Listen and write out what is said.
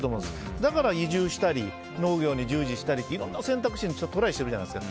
だから移住したり農業に従事したりいろんな選択肢にトライしているじゃないですか。